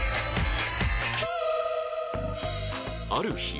ある日